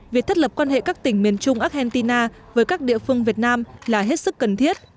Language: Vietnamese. việc thắt lập quan hệ các tỉnh miền trung argentina với các địa phương việt nam là hết sức cần thiết